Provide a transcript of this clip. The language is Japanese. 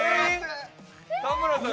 田村さん